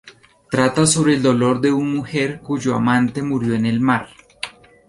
Trata sobre el dolor de un mujer cuyo amante, murió en el mar.